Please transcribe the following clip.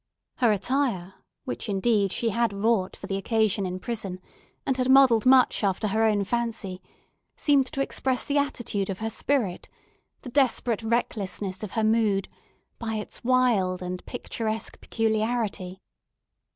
Her attire, which indeed, she had wrought for the occasion in prison, and had modelled much after her own fancy, seemed to express the attitude of her spirit, the desperate recklessness of her mood, by its wild and picturesque peculiarity.